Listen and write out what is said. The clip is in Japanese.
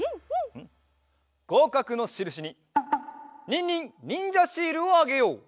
ごうかくのしるしにニンニンにんじゃシールをあげよう！